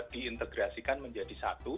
di integrasikan menjadi satu